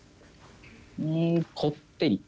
うんこってり。